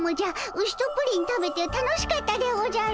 ウシとプリン食べて楽しかったでおじゃる。